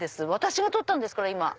私が撮ったんですから今。